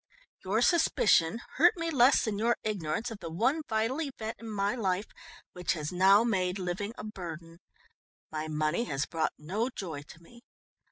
Your suspicion hurt me less than your ignorance of the one vital event in my life which has now made living a burden. My money has brought no joy to me.